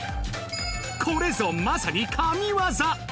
これぞまさに神ワザ！